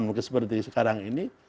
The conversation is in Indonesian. mungkin seperti sekarang ini